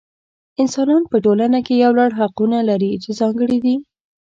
انسانان په ټولنه کې یو لړ حقونه لري چې ځانګړي دي.